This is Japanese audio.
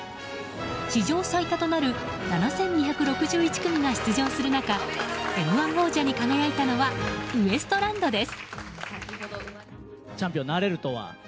史上最多となる７２６１組が出場する中「Ｍ‐１」王者に輝いたのはウエストランドです。